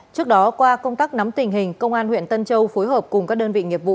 trước đó qua công tác nắm tình hình công an huyện tân châu phối hợp cùng các đơn vị nghiệp vụ